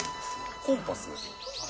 コンパス？